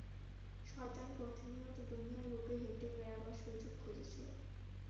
শয়তান প্রতিনিয়ত দুনিয়ার বুকে হেঁটে বেড়াবার সুযোগ খুঁজছিল!